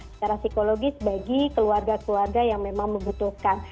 secara psikologis bagi keluarga keluarga yang memang membutuhkan